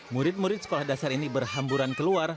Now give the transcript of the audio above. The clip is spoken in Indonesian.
murid murid sekolah dasar ini berhamburan keluar